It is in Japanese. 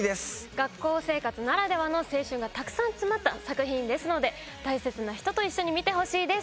学校生活ならではの青春がたくさん詰まった作品ですので大切な人と一緒に見てほしいです。